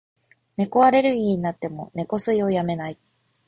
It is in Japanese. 猫アレルギーになっても、猫吸いをやめない。